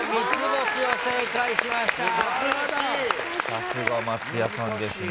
さすが松也さんですね。